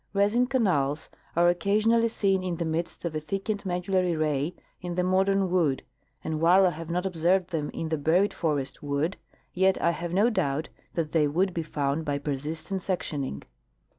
Resin canals are occasionally seen in the midst of a thickened medullary ray in the modern wood, and while I have not observed them in the buried forest wood, yet I have no doubt that they would be found by persistent sectioning.